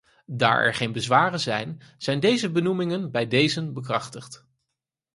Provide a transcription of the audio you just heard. Daar er geen bezwaren zijn, zijn deze benoemingen bij dezen bekrachtigd.